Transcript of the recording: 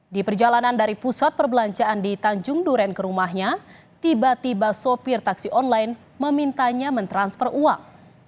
di perjalanan dari pusat perbelanjaan di tanjung duren ke rumahnya tiba tiba sopir taksi online memintanya mentransfer uang